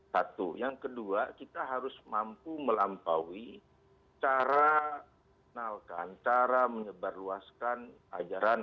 satu yang kedua kita harus mampu melampaui cara menyebarluaskan ajaran